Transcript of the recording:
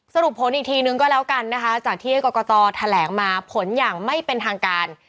สรุปผลอีกทีนึงก็แล้วกันนะคะจากที่ให้กรกตแถลงมาผลอย่างไม่เป็นทางการ